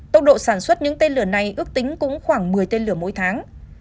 tốc độ sản xuất những tên lửa này ước tính cũng khoảng một mươi tên lửa mỗi tháng